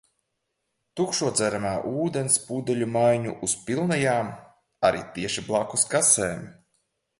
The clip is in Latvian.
Tukšo dzeramā ūdens pudeļu maiņa uz pilnajām - arī tieši blakus kasēm.